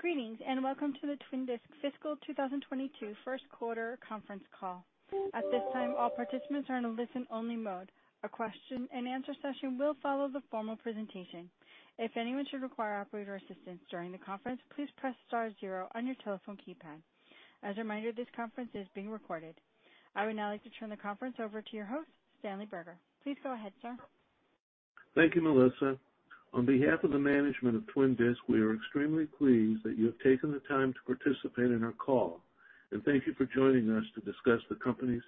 Greetings, and welcome to the Twin Disc fiscal 2022 first quarter conference call. At this time, all participants are in a listen-only mode. A question-and-answer session will follow the formal presentation. If anyone should require operator assistance during the conference, please press star zero on your telephone keypad. As a reminder, this conference is being recorded. I would now like to turn the conference over to your host, Stanley Berger. Please go ahead, sir. Thank you, Melissa. On behalf of the management of Twin Disc, we are extremely pleased that you have taken the time to participate in our call, and thank you for joining us to discuss the company's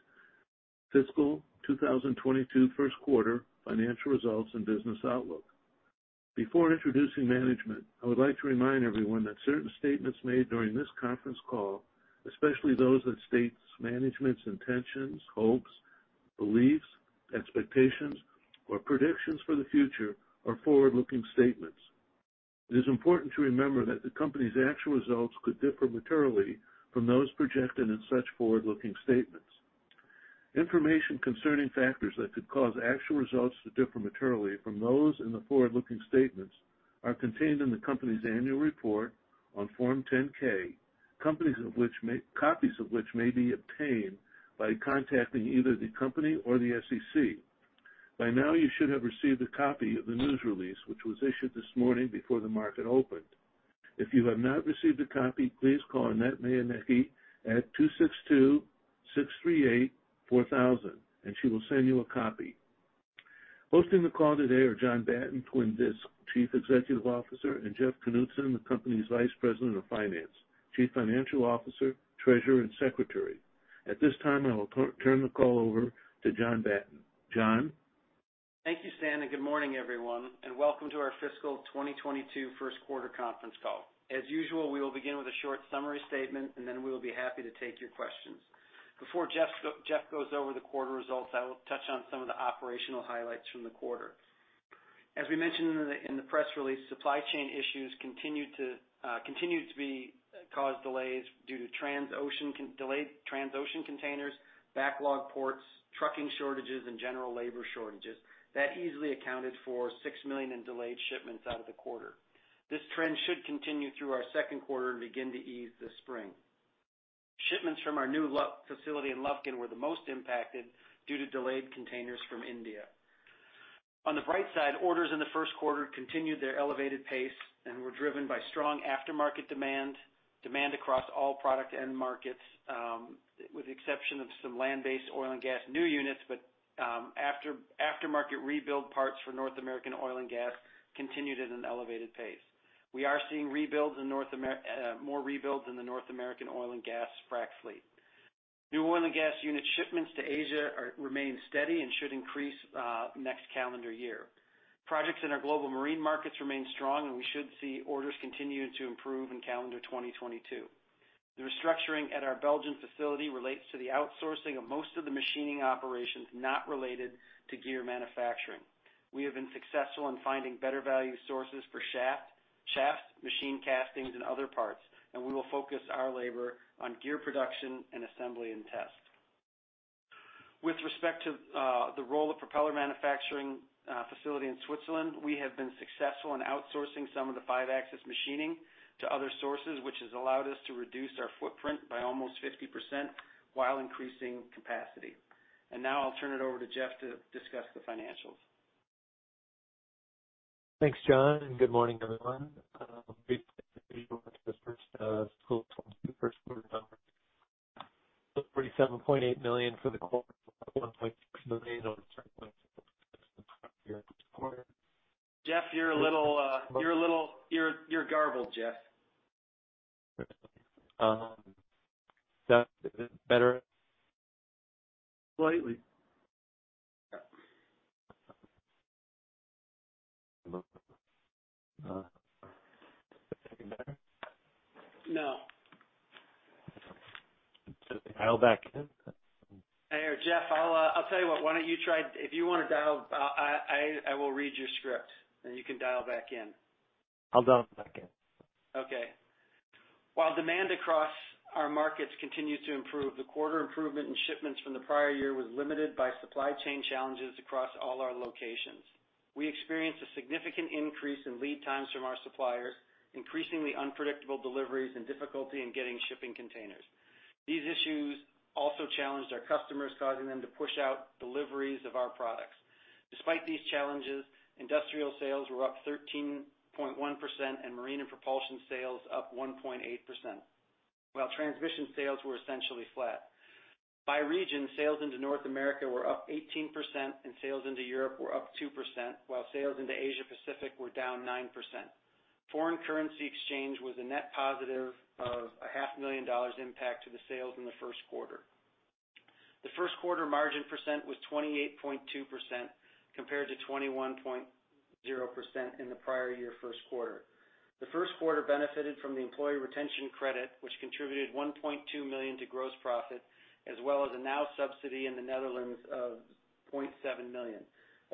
fiscal 2022 first quarter financial results and business outlook. Before introducing management, I would like to remind everyone that certain statements made during this conference call, especially those that state management's intentions, hopes, beliefs, expectations, or predictions for the future, are forward-looking statements. It is important to remember that the company's actual results could differ materially from those projected in such forward-looking statements. Information concerning factors that could cause actual results to differ materially from those in the forward-looking statements are contained in the company's annual report on Form 10-K, copies of which may be obtained by contacting either the company or the SEC. By now, you should have received a copy of the news release, which was issued this morning before the market opened. If you have not received a copy, please call Annette Mianecki at 262-638-4000, and she will send you a copy. Hosting the call today are John Batten, Twin Disc Chief Executive Officer, and Jeff Knutson, the company's Vice President of Finance, Chief Financial Officer, Treasurer, and Secretary. At this time, I will turn the call over to John Batten. John? Thank you, Stan, and good morning, everyone, and welcome to our fiscal 2022 first quarter conference call. As usual, we will begin with a short summary statement, and then we will be happy to take your questions. Before Jeff goes over the quarter results, I will touch on some of the operational highlights from the quarter. As we mentioned in the press release, supply chain issues continue to be cause delays due to delayed transoceanic containers, backlogged ports, trucking shortages, and general labor shortages. That easily accounted for $6 million in delayed shipments out of the quarter. This trend should continue through our second quarter and begin to ease this spring. Shipments from our new Lufkin facility in Lufkin were the most impacted due to delayed containers from India. On the bright side, orders in the first quarter continued their elevated pace and were driven by strong aftermarket demand across all product end markets, with the exception of some land-based oil and gas new units, but aftermarket rebuild parts for North American oil and gas continued at an elevated pace. We are seeing more rebuilds in the North American oil and gas frac fleet. New oil and gas unit shipments to Asia remain steady and should increase next calendar year. Projects in our global marine markets remain strong, and we should see orders continuing to improve in calendar 2022. The restructuring at our Belgian facility relates to the outsourcing of most of the machining operations not related to gear manufacturing. We have been successful in finding better value sources for shafts, machine castings and other parts, and we will focus our labor on gear production and assembly and test. With respect to the Rolla propeller manufacturing facility in Switzerland, we have been successful in outsourcing some of the 5-axis machining to other sources, which has allowed us to reduce our footprint by almost 50% while increasing capacity. Now I'll turn it over to Jeff to discuss the financials. Thanks, John, and good morning, everyone. Briefly, the first fiscal quarter numbers. Sales were $47.8 million for the quarter, $1.6 million over 3.6% quarter. Jeff, you're a little garbled, Jeff. Is that better? Slightly. Is that any better? No. Dial back in? Here, Jeff, I'll tell you what. If you wanna dial, I will read your script, and you can dial back in. I'll dial back in. Okay. While demand across our markets continues to improve, the quarter improvement in shipments from the prior year was limited by supply chain challenges across all our locations. We experienced a significant increase in lead times from our suppliers, increasingly unpredictable deliveries, and difficulty in getting shipping containers. These issues also challenged our customers, causing them to push out deliveries of our products. Despite these challenges, industrial sales were up 13.1% and marine and propulsion sales up 1.8%, while transmission sales were essentially flat. By region, sales into North America were up 18% and sales into Europe were up 2%, while sales into Asia Pacific were down 9%. Foreign currency exchange was a net positive of $0.5 million impact to the sales in the first quarter. The first quarter margin percent was 28.2% compared to 21.0% in the prior year first quarter. The first quarter benefited from the Employee Retention Credit, which contributed $1.2 million to gross profit, as well as a NOW subsidy in the Netherlands of $0.7 million.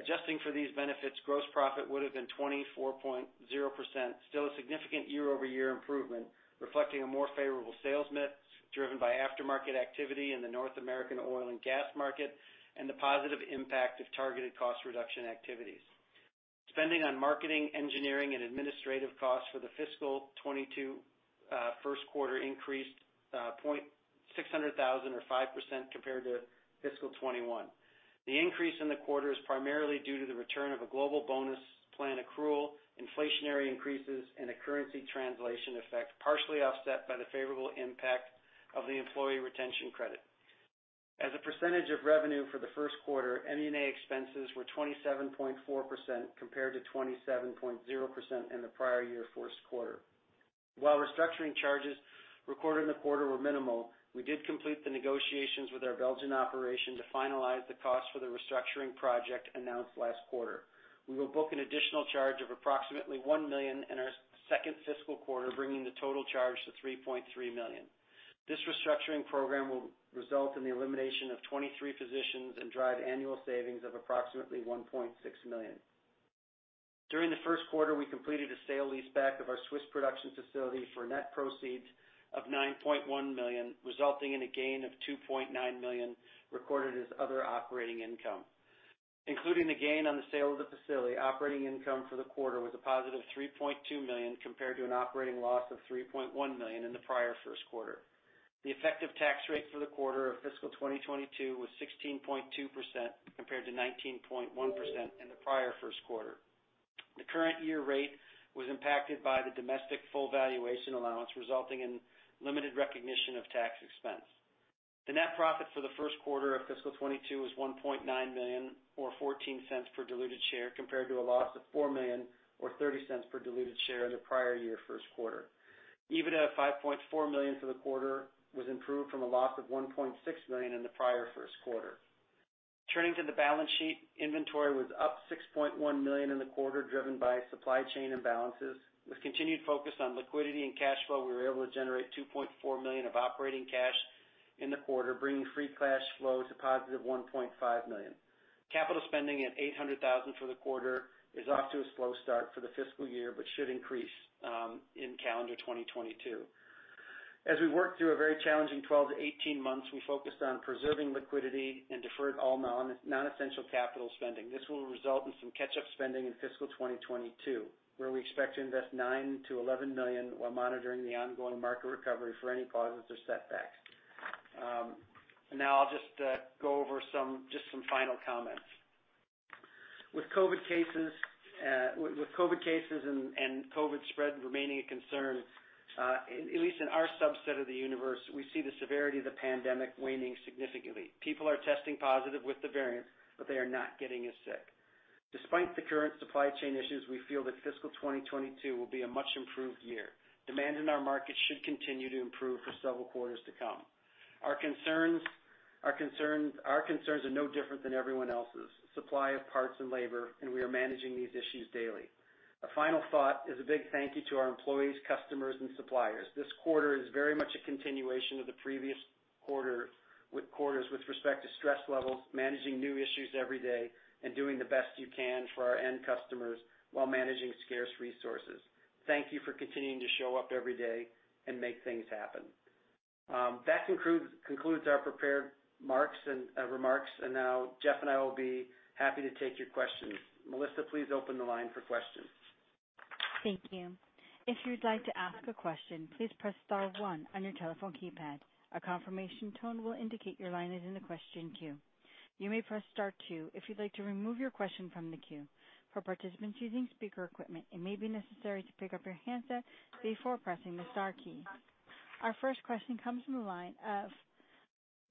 Adjusting for these benefits, gross profit would have been 24.0%, still a significant year-over-year improvement, reflecting a more favorable sales mix driven by aftermarket activity in the North American oil and gas market and the positive impact of targeted cost reduction activities. Spending on marketing, engineering, and administrative costs for the fiscal 2022 first quarter increased $600,000 or 5% compared to fiscal 2021. The increase in the quarter is primarily due to the return of a global bonus plan accrual, inflationary increases, and a currency translation effect, partially offset by the favorable impact of the Employee Retention Credit. As a percentage of revenue for the first quarter, ME&A expenses were 27.4% compared to 27.0% in the prior year first quarter. While restructuring charges recorded in the quarter were minimal, we did complete the negotiations with our Belgian operation to finalize the cost for the restructuring project announced last quarter. We will book an additional charge of approximately $1 million in our second fiscal quarter, bringing the total charge to $3.3 million. This restructuring program will result in the elimination of 23 positions and drive annual savings of approximately $1.6 million. During the first quarter, we completed a sale leaseback of our Swiss production facility for net proceeds of $9.1 million, resulting in a gain of $2.9 million recorded as other operating income. Including the gain on the sale of the facility, operating income for the quarter was a positive $3.2 million compared to an operating loss of $3.1 million in the prior first quarter. The effective tax rate for the quarter of fiscal 2022 was 16.2% compared to 19.1% in the prior first quarter. The current year rate was impacted by the domestic full valuation allowance, resulting in limited recognition of tax expense. The net profit for the first quarter of fiscal 2022 was $1.9 million or $0.14 per diluted share compared to a loss of $4 million or $0.30 per diluted share in the prior year first quarter. EBITDA of $5.4 million for the quarter was improved from a loss of $1.6 million in the prior first quarter. Turning to the balance sheet, inventory was up $6.1 million in the quarter, driven by supply chain imbalances. With continued focus on liquidity and cash flow, we were able to generate $2.4 million of operating cash in the quarter, bringing free cash flow to positive $1.5 million. Capital spending at $800,000 for the quarter is off to a slow start for the fiscal year, but should increase in calendar 2022. As we work through a very challenging 12-18 months, we focused on preserving liquidity and deferred all non-essential capital spending. This will result in some catch-up spending in fiscal 2022, where we expect to invest $9 million-$11 million while monitoring the ongoing market recovery for any pauses or setbacks. Now I'll go over some final comments. With COVID cases and COVID spread remaining a concern, at least in our subset of the universe, we see the severity of the pandemic waning significantly. People are testing positive with the variants, but they are not getting as sick. Despite the current supply chain issues, we feel that fiscal 2022 will be a much improved year. Demand in our market should continue to improve for several quarters to come. Our concerns are no different than everyone else's, supply of parts and labor, and we are managing these issues daily. A final thought is a big thank you to our employees, customers, and suppliers. This quarter is very much a continuation of the previous quarter with respect to stress levels, managing new issues every day, and doing the best you can for our end customers while managing scarce resources. Thank you for continuing to show up every day and make things happen. That concludes our prepared remarks. Now Jeff and I will be happy to take your questions. Melissa, please open the line for questions. Thank you. If you'd like to ask a question, please press star one on your telephone keypad. A confirmation tone will indicate your line is in the question queue. You may press star two if you'd like to remove your question from the queue. For participants using speaker equipment, it may be necessary to pick up your handset before pressing the star key. Our first question comes from the line of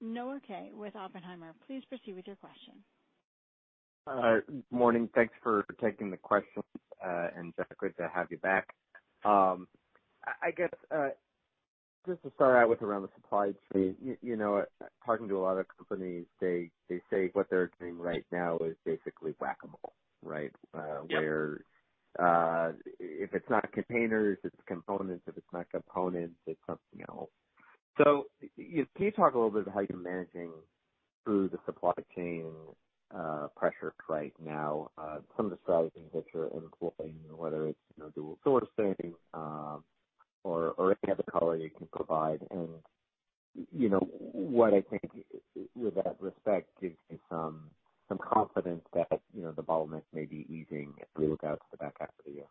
Noah Kaye with Oppenheimer. Please proceed with your question. Morning. Thanks for taking the questions, and Jeff, great to have you back. I guess just to start out with around the supply chain, you know, talking to a lot of companies, they say what they're doing right now is basically Whac-A-Mole, right? Yeah. If it's not containers, it's components. If it's not components, it's something else. Can you talk a little bit how you're managing through the supply chain pressure right now, some of the strategies that you're employing, whether it's, you know, dual sourcing or any other color you can provide? You know, what I think, with that respect, gives me some confidence that, you know, the bottleneck may be easing as we look out to the back half of the year.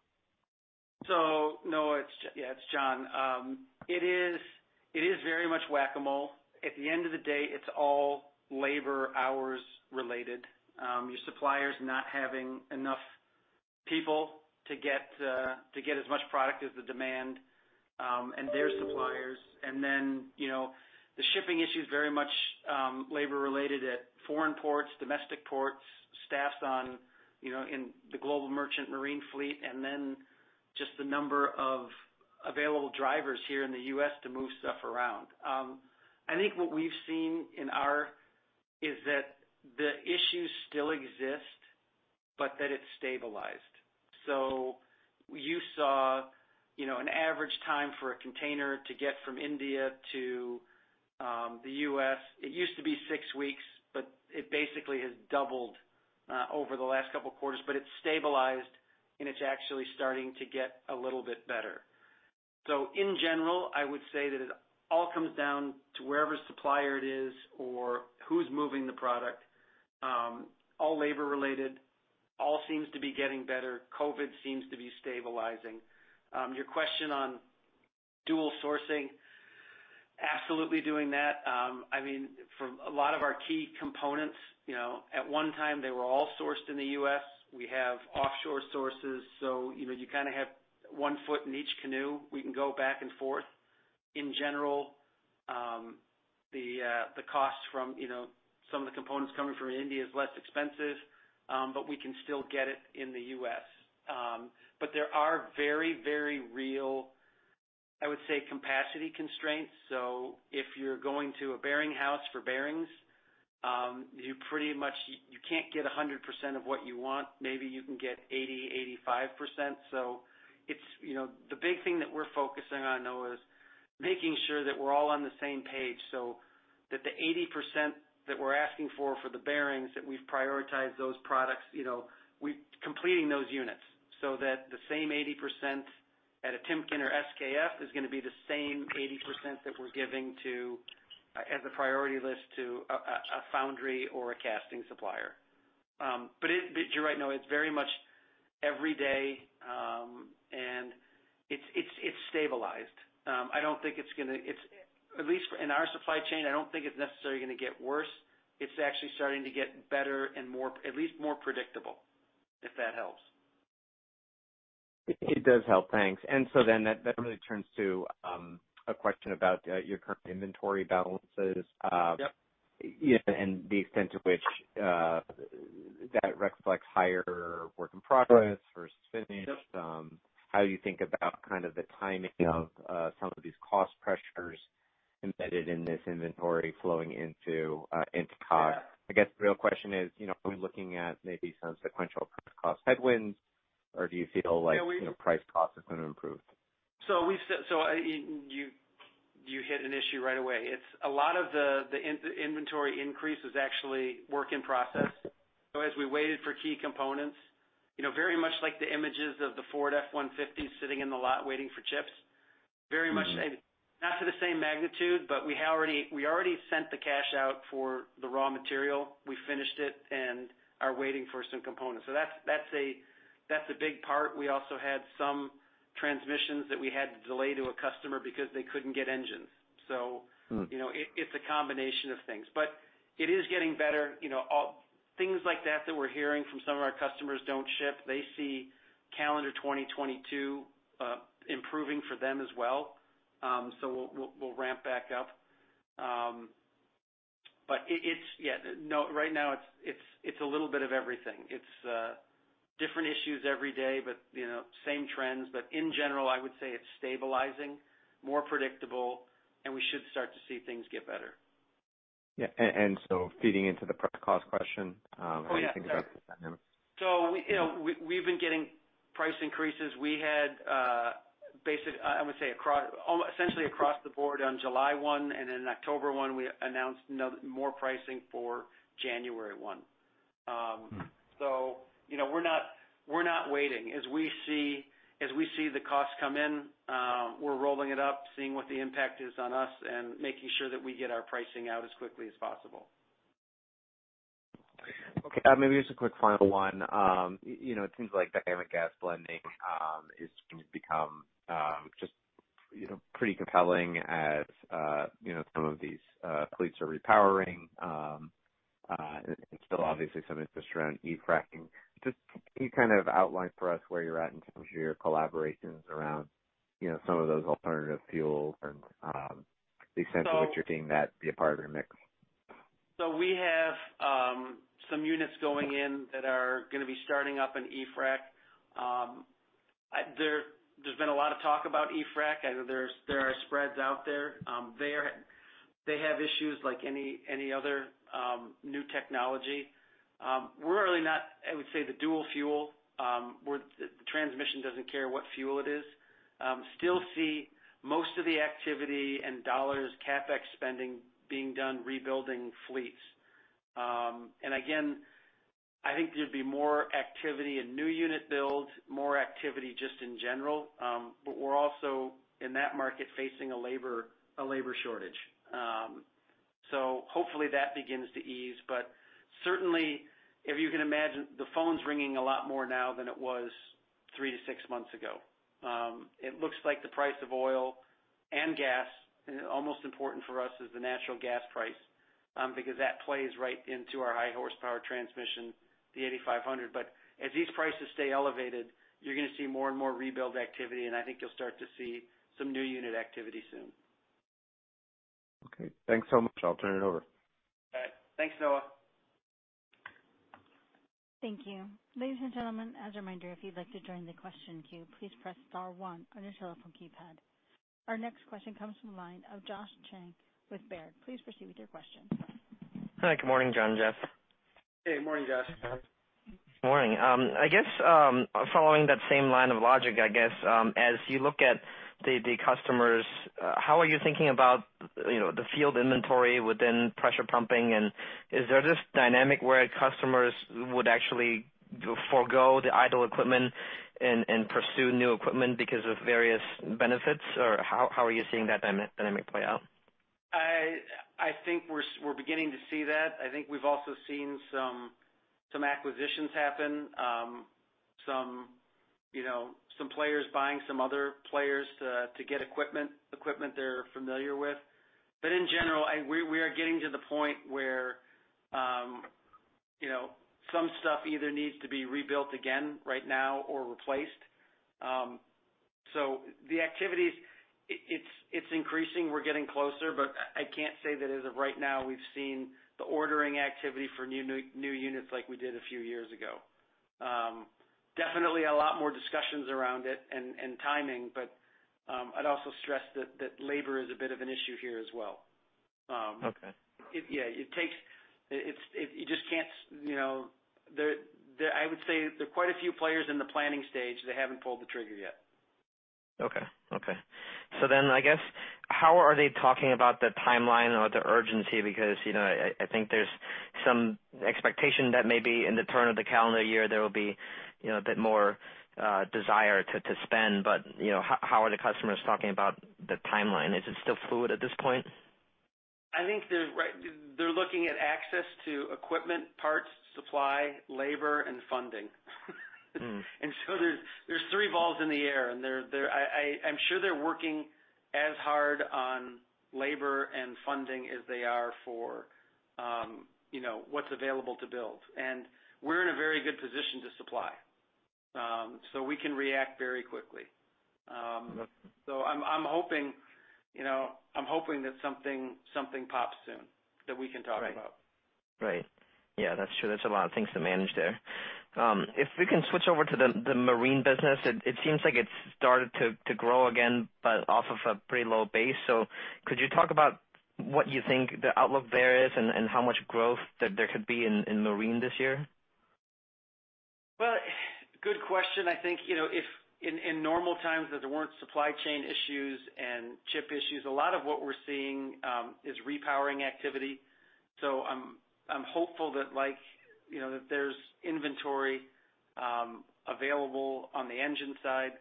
Noah, yeah, it's John. It is very much Whac-A-Mole. At the end of the day, it's all labor hours related. Your suppliers not having enough people to get as much product as the demand, and their suppliers, and then, you know, the shipping issue is very much labor related at foreign ports, domestic ports, staff on, you know, in the global merchant marine fleet, and then just the number of available drivers here in the U.S. to move stuff around. I think what we've seen is that the issues still exist, but that it's stabilized. You saw, you know, an average time for a container to get from India to the U.S., it used to be six weeks, but it basically has doubled over the last couple of quarters. It's stabilized, and it's actually starting to get a little bit better. In general, I would say that it all comes down to whatever supplier it is or who's moving the product. All labor-related, all seems to be getting better. COVID seems to be stabilizing. Your question on dual sourcing, absolutely doing that. I mean, for a lot of our key components, you know, at one time, they were all sourced in the U.S. We have offshore sources, so, you know, you kind of have one foot in each canoe. We can go back and forth. In general, the costs from, you know, some of the components coming from India is less expensive, but we can still get it in the U.S. There are very, very real, I would say, capacity constraints. If you're going to a bearing house for bearings, you pretty much can't get 100% of what you want. Maybe you can get 80%-85%. It's, you know, the big thing that we're focusing on, Noah, is making sure that we're all on the same page, so that the 80% that we're asking for for the bearings, that we've prioritized those products. You know, completing those units, so that the same 80% at a Timken or SKF is gonna be the same 80% that we're giving to, as a priority list, to a foundry or a casting supplier. But you're right, Noah. It's very much every day, and it's stabilized. I don't think it's gonna get worse. It's at least in our supply chain. I don't think it's necessarily gonna get worse. It's actually starting to get better and more, at least more predictable, if that helps. It does help. Thanks. That really turns to a question about your current inventory balances. Yep. The extent to which that reflects higher work in progress versus finished. Yep. How do you think about kind of the timing of some of these cost pressures embedded in this inventory flowing into COGS? I guess the real question is, you know, are we looking at maybe some sequential cost headwinds, or do you feel like, you know, price cost is gonna improve? You hit an issue right away. It's a lot of the inventory increase is actually work in process. As we waited for key components, you know, very much like the images of the Ford F-150 sitting in the lot waiting for chips. Mm-hmm. Very much not to the same magnitude, but we already sent the cash out for the raw material. We finished it and are waiting for some components. That's a big part. We also had some transmissions that we had to delay to a customer because they couldn't get engines. Mm. You know, it's a combination of things, but it is getting better. You know, all things like that that we're hearing from some of our customers don't ship. They see calendar 2022 improving for them as well. We'll ramp back up. But it's. Yeah. No, right now, it's a little bit of everything. It's different issues every day, but you know, same trends. In general, I would say it's stabilizing, more predictable, and we should start to see things get better. Feeding into the cost question, Oh, yeah. How do you think about the dynamic? You know, we've been getting price increases. We had, I would say, essentially across the board on July 1 and then October 1, we announced more pricing for January 1. Mm. You know, we're not waiting. As we see the costs come in, we're rolling it up, seeing what the impact is on us and making sure that we get our pricing out as quickly as possible. Okay. Maybe just a quick final one. You know, it seems like Dynamic Gas Blending is going to become just you know, pretty compelling as you know, some of these fleets are repowering and still obviously some interest around e-frac. Just can you kind of outline for us where you're at in terms of your collaborations around you know, some of those alternative fuels and the extent to which you're seeing that be a part of your mix? We have some units going in that are gonna be starting up in e-frac. There's been a lot of talk about e-frac. I know there are spreads out there. They have issues like any other new technology. We're really not. I would say the dual fuel where the transmission doesn't care what fuel it is. We still see most of the activity and dollars CapEx spending being done rebuilding fleets. Again, I think there'd be more activity in new unit builds, more activity just in general. We're also in that market facing a labor shortage. Hopefully, that begins to ease. Certainly, if you can imagine, the phone's ringing a lot more now than it was three to six months ago. It looks like the price of oil and gas, and most important for us is the natural gas price, because that plays right into our high horsepower transmission, the 8500. As these prices stay elevated, you're gonna see more and more rebuild activity, and I think you'll start to see some new unit activity soon. Okay. Thanks so much. I'll turn it over. All right. Thanks, Noah. Thank you. Ladies and gentlemen, as a reminder, if you'd like to join the question queue, please press star one on your telephone keypad. Our next question comes from the line of Josh Chan with Baird. Please proceed with your question. Hi. Good morning, John and Jeff. Hey. Morning, Josh. Morning. I guess, following that same line of logic, I guess, as you look at the customers, how are you thinking about, you know, the field inventory within pressure pumping, and is there this dynamic where customers would actually forgo the idle equipment and pursue new equipment because of various benefits? Or how are you seeing that dynamic play out? I think we're beginning to see that. I think we've also seen some acquisitions happen, some, you know, some players buying some other players to get equipment they're familiar with. In general, we are getting to the point where, you know, some stuff either needs to be rebuilt again right now or replaced. The activities, it's increasing. We're getting closer, but I can't say that as of right now we've seen the ordering activity for new units like we did a few years ago. Definitely a lot more discussions around it and timing, but I'd also stress that labor is a bit of an issue here as well. Okay. You just can't, you know. I would say there are quite a few players in the planning stage that haven't pulled the trigger yet. I guess, how are they talking about the timeline or the urgency? Because, you know, I think there's some expectation that maybe in the turn of the calendar year there will be, you know, a bit more desire to spend. But, you know, how are the customers talking about the timeline? Is it still fluid at this point? I think they're right. They're looking at access to equipment, parts, supply, labor, and funding. Mm-hmm. There's three balls in the air, and I'm sure they're working as hard on labor and funding as they are for, you know, what's available to build. We're in a very good position to supply, so we can react very quickly. I'm hoping, you know, that something pops soon that we can talk about. Right. Yeah, that's true. That's a lot of things to manage there. If we can switch over to the marine business, it seems like it's started to grow again, but off of a pretty low base. Could you talk about what you think the outlook there is and how much growth there could be in marine this year? Well, good question. I think, you know, if in normal times that there weren't supply chain issues and chip issues, a lot of what we're seeing is repowering activity. I'm hopeful that like, you know, that there's inventory available on the engine side.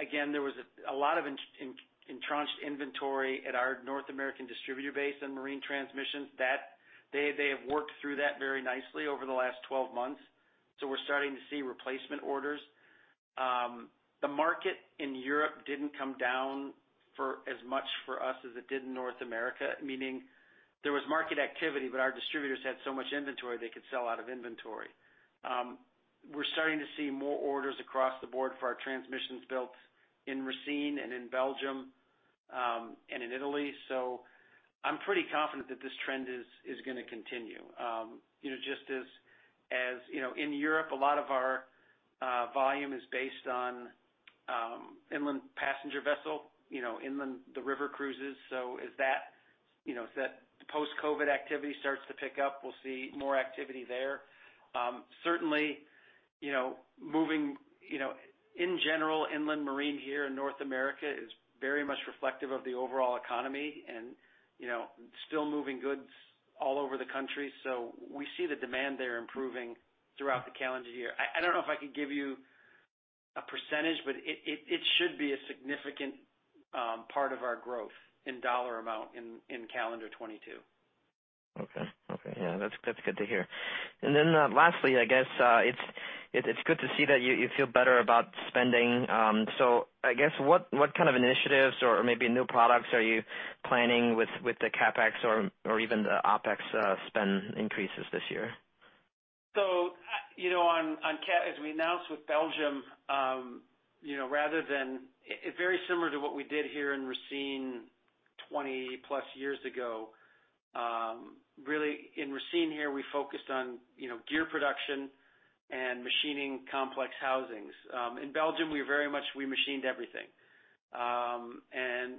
Again, there was a lot of entrenched inventory at our North American distributor base in marine transmissions that they have worked through that very nicely over the last 12 months, so we're starting to see replacement orders. The market in Europe didn't come down for as much for us as it did in North America, meaning there was market activity, but our distributors had so much inventory they could sell out of inventory. We're starting to see more orders across the board for our transmissions built in Racine and in Belgium, and in Italy. I'm pretty confident that this trend is gonna continue. You know, just as you know, in Europe, a lot of our volume is based on inland passenger vessel, you know, inland, the river cruises. As that you know, as that post-COVID activity starts to pick up, we'll see more activity there. In general, inland marine here in North America is very much reflective of the overall economy and, you know, still moving goods all over the country. We see the demand there improving throughout the calendar year. I don't know if I could give you a percentage, but it should be a significant part of our growth in dollar amount in calendar 2022. Okay. Yeah, that's good to hear. Then, lastly, I guess, it's good to see that you feel better about spending. I guess, what kind of initiatives or maybe new products are you planning with the CapEx or even the OpEx spend increases this year? As we announced with Belgium, you know, very similar to what we did here in Racine 20+ years ago, really in Racine here, we focused on, you know, gear production and machining complex housings. In Belgium, we very much we machined everything.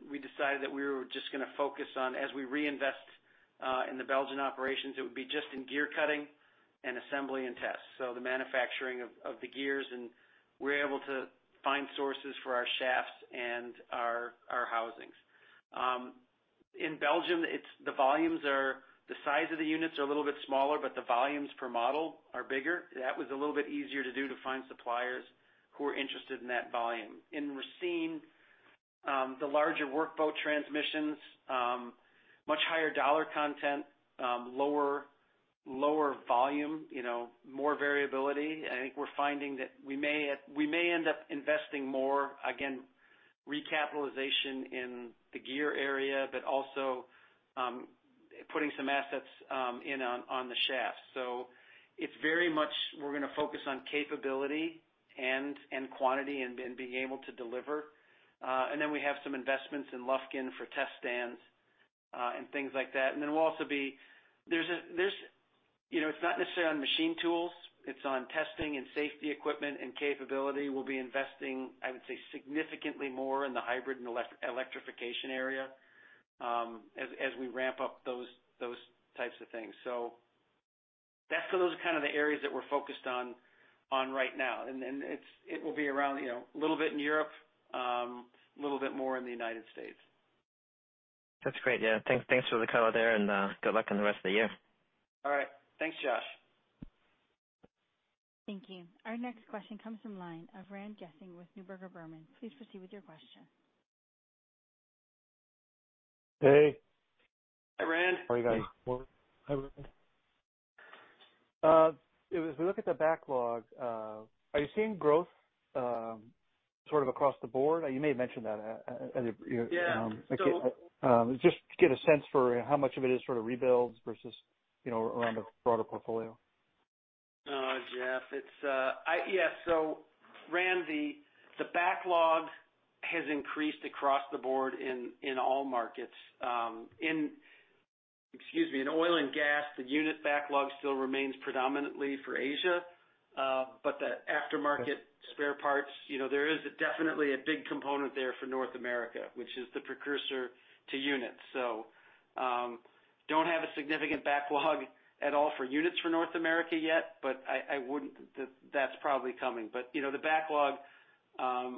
We decided that we were just gonna focus on, as we reinvest in the Belgian operations, it would be just in gear cutting and assembly and test. The manufacturing of the gears, and we're able to find sources for our shafts and our housings. In Belgium, it's the volumes are the size of the units are a little bit smaller, but the volumes per model are bigger. That was a little bit easier to do to find suppliers who are interested in that volume. In Racine, the larger work boat transmissions, much higher dollar content, lower volume, you know, more variability. I think we're finding that we may end up investing more, again, recapitalization in the gear area, but also, putting some assets in on the shaft. It's very much we're gonna focus on capability and quantity and being able to deliver. We have some investments in Lufkin for test stands and things like that. You know, it's not necessarily on machine tools, it's on testing and safety equipment and capability. We'll be investing, I would say, significantly more in the hybrid and electrification area, as we ramp up those types of things. That's those kind of the areas that we're focused on right now. It will be around, you know, a little bit in Europe, a little bit more in the United States. That's great. Yeah, thanks for the color there, and good luck on the rest of the year. All right. Thanks, Josh. Thank you. Our next question comes from the line of Rand Gesing with Neuberger Berman. Please proceed with your question. Hey. Hi, Rand. How are you guys? As we look at the backlog, are you seeing growth, sort of across the board? You may have mentioned that, at your- Yeah. Just to get a sense for how much of it is sort of rebuilds versus, you know, around a broader portfolio. Jeff, yeah. Randy, the backlog has increased across the board in all markets. In oil and gas, the unit backlog still remains predominantly for Asia, but the aftermarket spare parts, you know, there is definitely a big component there for North America, which is the precursor to units. Don't have a significant backlog at all for units for North America yet, but I wouldn't. That's probably coming. You know, the backlog,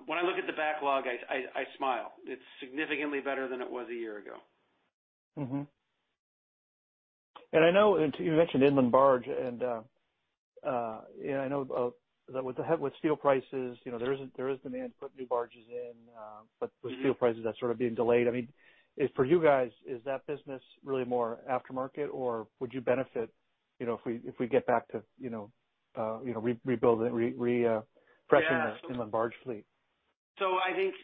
when I look at the backlog, I smile. It's significantly better than it was a year ago. I know you mentioned inland barge, and I know that with steel prices, you know, there is demand to put new barges in, but with steel prices, that's sort of being delayed. I mean, for you guys, is that business really more aftermarket, or would you benefit, you know, if we get back to, you know, rebuilding, refreshing the inland barge fleet? If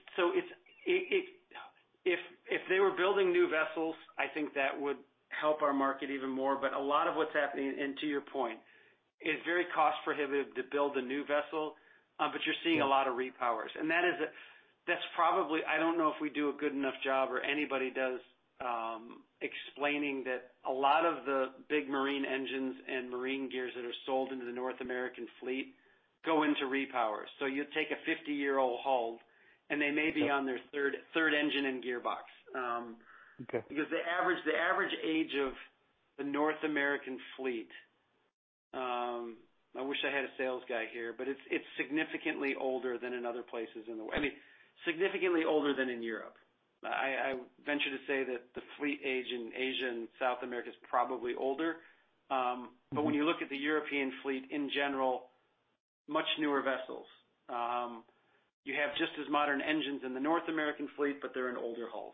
they were building new vessels, I think that would help our market even more. But a lot of what's happening, and to your point, it's very cost prohibitive to build a new vessel, but you're seeing a lot of repowers, and that is probably. I don't know if we do a good enough job or anybody does explaining that a lot of the big marine engines and marine gears that are sold into the North American fleet go into repowers. You take a 50-year-old hull, and they may be on their third engine and gearbox. Okay. Because the average age of the North American fleet, I wish I had a sales guy here, but it's significantly older than in other places in the world. I mean, significantly older than in Europe. I venture to say that the fleet age in Asia and South America is probably older. When you look at the European fleet in general, much newer vessels. You have just as modern engines in the North American fleet, but they're in older hulls.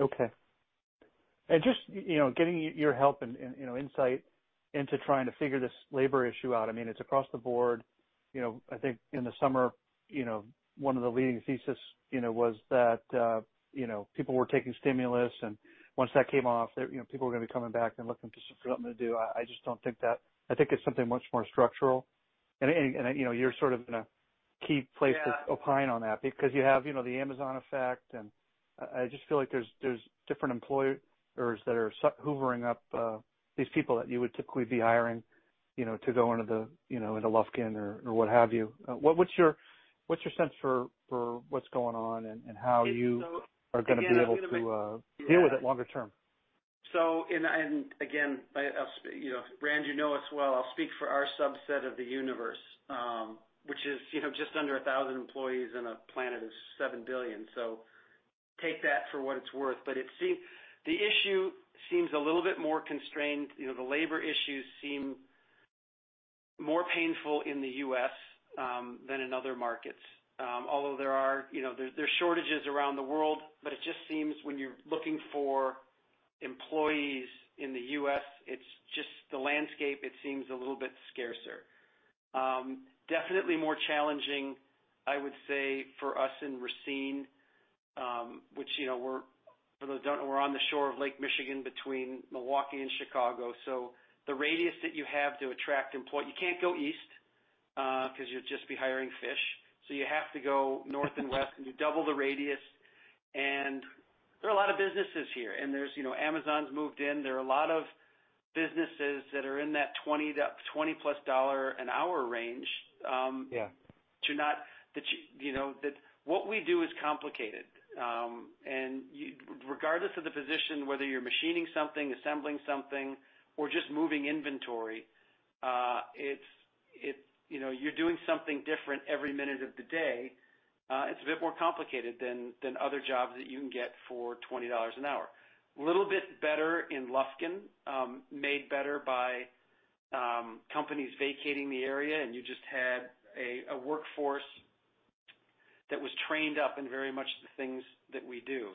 Okay. Just, you know, getting your help and, you know, insight into trying to figure this labor issue out. I mean, it's across the board. You know, I think in the summer, you know, one of the leading thesis, you know, was that, you know, people were taking stimulus, and once that came off, you know, people were gonna be coming back and looking for something to do. I just don't think that. I think it's something much more structural. You know, you're sort of in a key place to opine on that because you have, you know, the Amazon effect, and I just feel like there's different employers that are hoovering up these people that you would typically be hiring, you know, to go into the, you know, into Lufkin or what have you. What's your sense for what's going on and how you are gonna be able to deal with that longer term? I'll speak for our subset of the universe, which is, you know, just under 1,000 employees on a planet of 7 billion. Take that for what it's worth. The issue seems a little bit more constrained. You know, the labor issues seem more painful in the U.S. than in other markets. Although there are, you know, there are shortages around the world, but it just seems when you're looking for employees in the U.S., it's just the landscape. It seems a little bit scarcer. Definitely more challenging, I would say, for us in Racine, which, you know, we're, for those who don't know, we're on the shore of Lake Michigan between Milwaukee and Chicago. The radius that you have to attract employees. You can't go east, because you'll just be hiring fish. You have to go north and west, and you double the radius. There are a lot of businesses here, and there's, you know, Amazon's moved in. There are a lot of businesses that are in that $20+ an hour range. Yeah. That, you know, what we do is complicated. And you, regardless of the position, whether you're machining something, assembling something, or just moving inventory, it's, you know, you're doing something different every minute of the day. It's a bit more complicated than other jobs that you can get for $20 an hour. A little bit better in Lufkin, made better by companies vacating the area, and you just had a workforce that was trained up in very much the things that we do.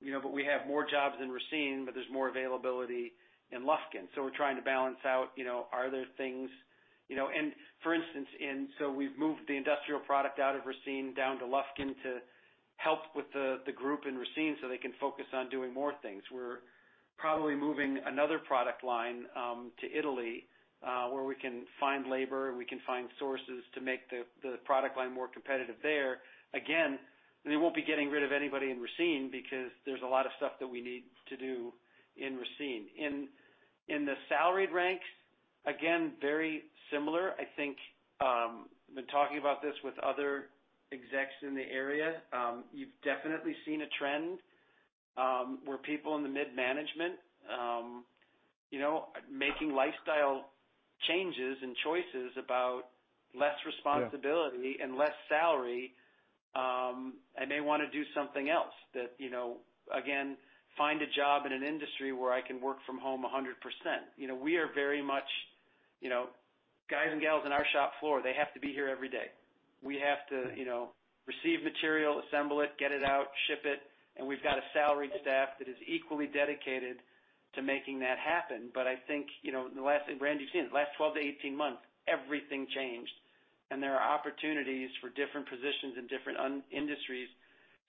You know, but we have more jobs in Racine, but there's more availability in Lufkin, so we're trying to balance out, you know, are there things, you know. For instance, we've moved the industrial product out of Racine down to Lufkin to help with the group in Racine so they can focus on doing more things. We're probably moving another product line to Italy where we can find labor, and we can find sources to make the product line more competitive there. Again, we won't be getting rid of anybody in Racine because there's a lot of stuff that we need to do in Racine. In the salaried ranks, again, very similar. I think been talking about this with other execs in the area. You've definitely seen a trend where people in the mid-management you know, making lifestyle changes and choices about less responsibility. Yeah less salary, and they wanna do something else that, you know, again, find a job in an industry where I can work from home 100%. You know, we are very much, you know, guys and gals in our shop floor, they have to be here every day. We have to, you know, receive material, assemble it, get it out, ship it, and we've got a salaried staff that is equally dedicated to making that happen. I think, you know, the last thing, Rand, you've seen, the last 12-18 months, everything changed. There are opportunities for different positions in different industries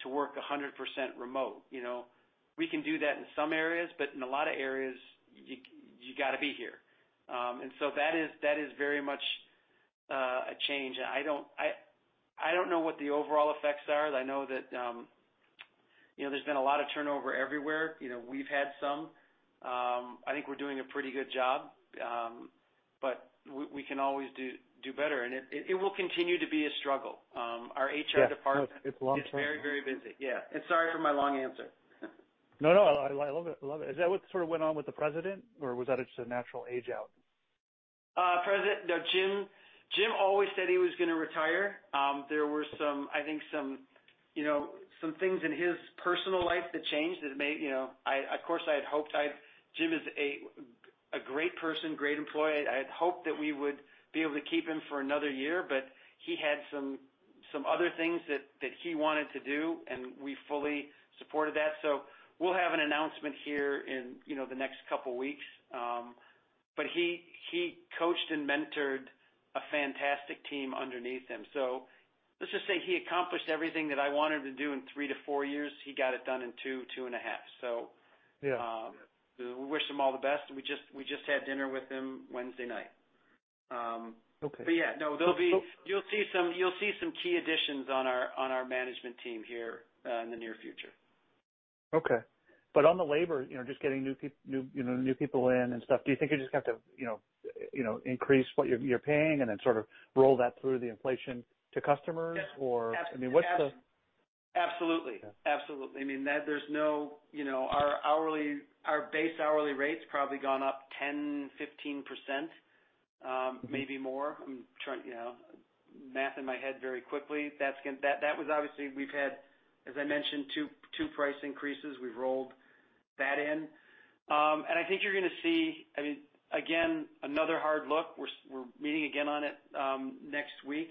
to work 100% remote, you know. We can do that in some areas, but in a lot of areas, you gotta be here. That is very much a change. I don't... I don't know what the overall effects are. I know that, you know, there's been a lot of turnover everywhere. You know, we've had some. I think we're doing a pretty good job, but we can always do better. It will continue to be a struggle. Our HR department- Yeah. No, it's long-term. is very, very busy. Yeah. Sorry for my long answer. No, no. I love it. Is that what sort of went on with the president, or was that just a natural age out? No, Jim always said he was gonna retire. There were some, I think, you know, some things in his personal life that changed that may, you know. Jim is a great person, great employee. I had hoped that we would be able to keep him for another year, but he had some other things that he wanted to do, and we fully supported that. We'll have an announcement here in, you know, the next couple weeks. He coached and mentored a fantastic team underneath him. Let's just say he accomplished everything that I wanted to do in three to four years. He got it done in two and a half years, so. Yeah. We wish him all the best. We just had dinner with him Wednesday night. Okay. Yeah, no, there'll be. You'll see some key additions on our management team here in the near future. Okay. On the labor, you know, just getting new people in and stuff, do you think you just have to, you know, increase what you're paying and then sort of roll that through the inflation to customers? Yeah. I mean, what's the Absolutely. Yeah. Absolutely. I mean, that there's no. You know, our hourly, our base hourly rate's probably gone up 10%-15%. Maybe more. I'm trying, you know, math in my head very quickly. That's gonna. That was obviously we've had, as I mentioned, two price increases. We've rolled that in. I think you're gonna see. I mean, again, another hard look. We're meeting again on it next week.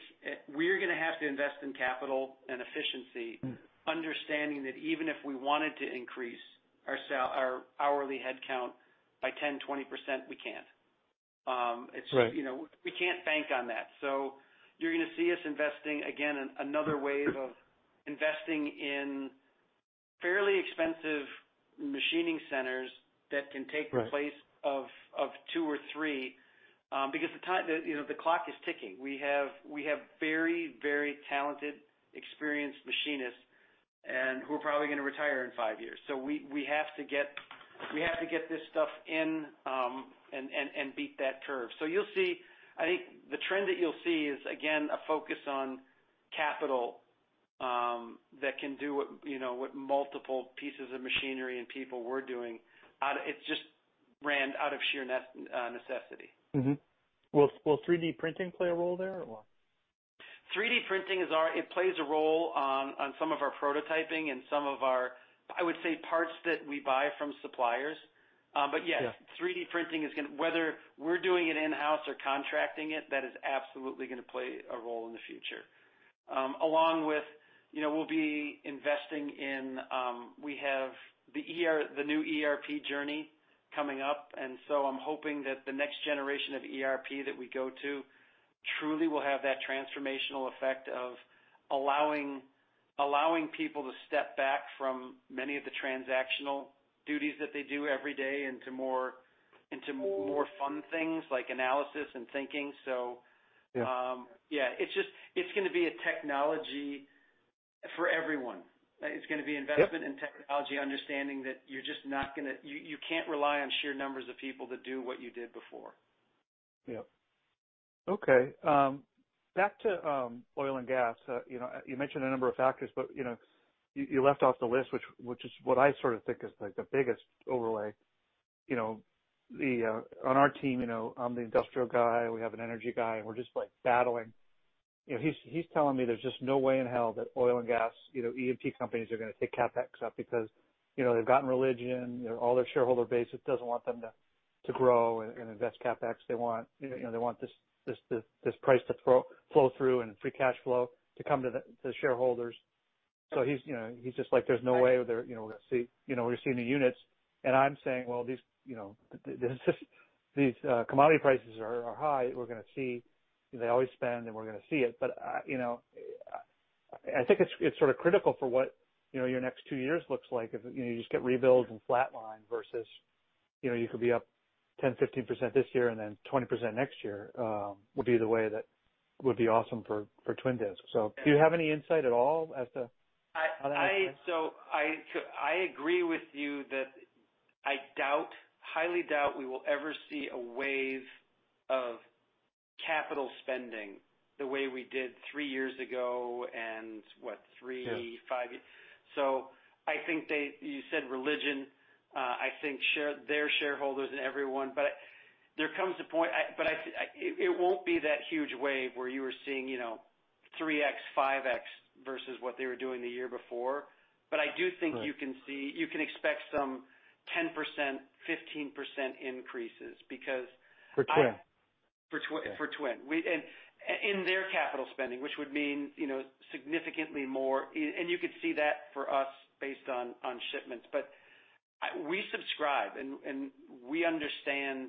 We're gonna have to invest in capital and efficiency. Mm. Understanding that even if we wanted to increase our hourly headcount by 10%-20%, we can't. It's Right You know, we can't bank on that. You're gonna see us investing again in another wave of investing in fairly expensive machining centers that can take Right ...the place of two or three, because, you know, the clock is ticking. We have very talented, experienced machinists who are probably gonna retire in five years. We have to get this stuff in and beat that curve. You'll see. I think the trend that you'll see is, again, a focus on capital that can do what, you know, multiple pieces of machinery and people were doing out. It's just, Rand, out of sheer necessity. Will 3D printing play a role there or what? 3D printing, it plays a role on some of our prototyping and some of our, I would say, parts that we buy from suppliers. Yes. Yeah. 3D printing is gonna play a role in the future, whether we're doing it in-house or contracting it. Along with, we'll be investing in, we have the new ERP journey coming up, I'm hoping that the next generation of ERP that we go to truly will have that transformational effect of allowing people to step back from many of the transactional duties that they do every day into more fun things like analysis and thinking. Yeah. Yeah. It's just, it's gonna be a technology for everyone. It's gonna be investment- Yep. in technology, understanding that you're just not gonna. You can't rely on sheer numbers of people to do what you did before. Yep. Okay. Back to oil and gas. You know, you mentioned a number of factors, but you know, you left off the list, which is what I sort of think is, like, the biggest overlay. You know, on our team, you know, I'm the industrial guy, we have an energy guy, and we're just, like, battling. You know, he's telling me there's just no way in hell that oil and gas, you know, E&P companies are gonna take CapEx up because, you know, they've gotten religion. You know, all their shareholder base just doesn't want them to grow and invest CapEx. They want, you know, they want this price to flow through and free cash flow to come to the shareholders. He's, you know, he's just like, "There's no way, you know, we're gonna see any units." I'm saying, "Well, these, you know, commodity prices are high. We're gonna see. They always spend, and we're gonna see it." You know, I think it's sort of critical for what, you know, your next two years looks like if, you know, you just get rebuilds and flat line versus, you know, you could be up 10%-15% this year and then 20% next year, would be the way that would be awesome for Twin Disc. Do you have any insight at all as to- I- On that point? I agree with you that I doubt, highly doubt we will ever see a wave of capital spending the way we did three years ago and what, three- Yeah. five years. I think you said religion. Their shareholders and everyone. There comes a point. It won't be that huge wave where you were seeing, you know, 3x, 5x versus what they were doing the year before. I do think Right. You can see, you can expect some 10%-15% increases because I For Twin? For Twin. In their capital spending, which would mean, you know, significantly more and you could see that for us based on shipments. We subscribe and we understand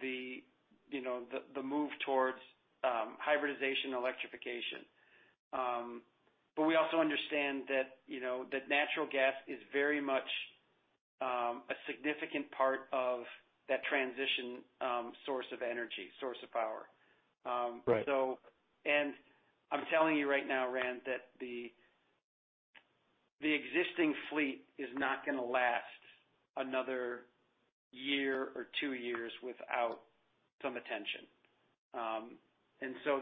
the, you know, the move towards hybridization, electrification. We also understand that, you know, that natural gas is very much a significant part of that transition, source of energy, source of power. Right. I'm telling you right now, Rand, that the existing fleet is not gonna last another year or two years without some attention, and so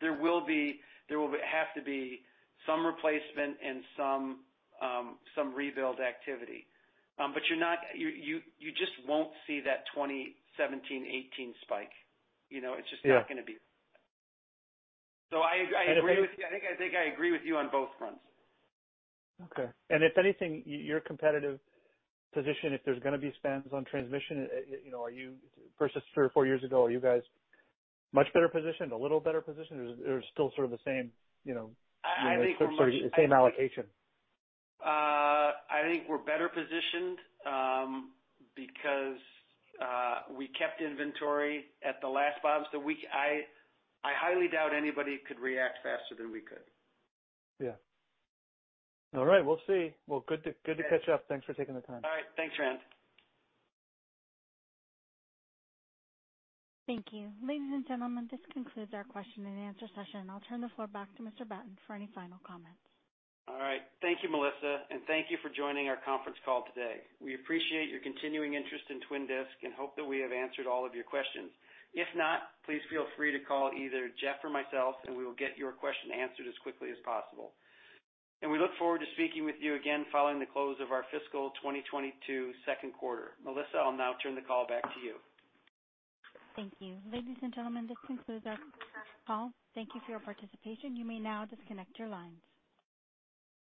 there will have to be some replacement and some rebuild activity. But you just won't see that 2017, 2018 spike. You know? Yeah. It's just not gonna be. I agree with you. I think I agree with you on both fronts. Okay. If anything, your competitive position, if there's gonna be spends on transmission, you know, are you versus three or four years ago, are you guys much better positioned, a little better positioned, or is it still sort of the same, you know? I think we're much. Same allocation. I think we're better positioned because we kept inventory at the last bottom. I highly doubt anybody could react faster than we could. Yeah. All right, we'll see. Well, good to catch up. Thanks for taking the time. All right. Thanks, Rand. Thank you. Ladies and gentlemen, this concludes our question-and-answer session. I'll turn the floor back to Mr. Batten for any final comments. All right. Thank you, Melissa, and thank you for joining our conference call today. We appreciate your continuing interest in Twin Disc and hope that we have answered all of your questions. If not, please feel free to call either Jeff or myself, and we will get your question answered as quickly as possible. We look forward to speaking with you again following the close of our fiscal 2022 second quarter. Melissa, I'll now turn the call back to you. Thank you. Ladies and gentlemen, this concludes our call. Thank you for your participation. You may now disconnect your lines.